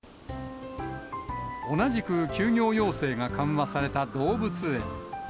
同じく休業要請が緩和された動物園。